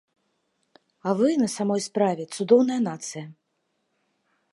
А вы, на самой справе, цудоўная нацыя.